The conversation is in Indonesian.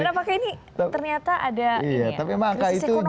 dan apakah ini ternyata ada krisis ekonomi